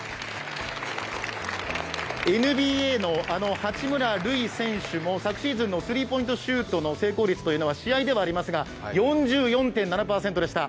ＮＢＡの八村塁選手も昨シーズンのスリーポイントシュートの成功率は試合ではありますが４４．７％でした。